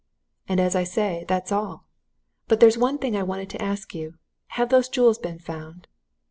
And as I say, that's all! but there's one thing I wanted to ask you. Have those jewels been found?"